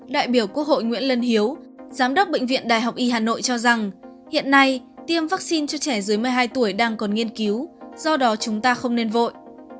đại biểu quốc hội nguyễn lân hiếu giám đốc bệnh viện đại học y hà nội cho rằng hiện nay tiêm vaccine cho trẻ dưới một mươi hai tuổi đang còn nghiên cứu do đó chúng ta không nên vội